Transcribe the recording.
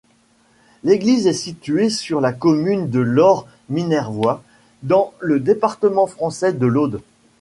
L'église est située sur la commune de Laure-Minervois, dans le département français de l'Aude.